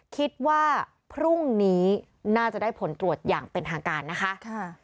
คิดว่าพรุ่งนี้น่าจะได้ผลตรวจอย่างเป็นทางการนะคะ